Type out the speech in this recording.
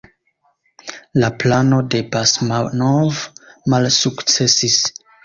La plano de Basmanov malsukcesis.